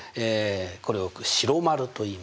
これを白丸といいますね。